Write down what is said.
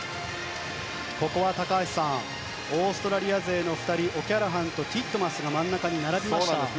ここは高橋さんオーストラリア勢の２人オキャラハンとティットマスが真ん中に並びました。